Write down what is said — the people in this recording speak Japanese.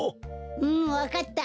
うんわかった。